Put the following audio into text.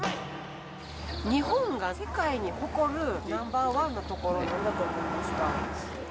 日本が世界に誇る、ナンバー１のところはなんだと思いますか。